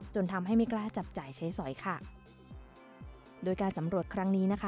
จนทำให้ไม่กล้าจับจ่ายใช้สอยค่ะโดยการสำรวจครั้งนี้นะคะ